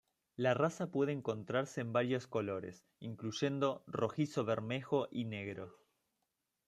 La raza puede encontrarse en varios colores, incluyendo rojizo-bermejo y negro.